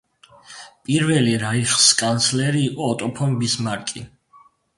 პირველი რაიხსკანცლერი იყო ოტო ფონ ბისმარკი.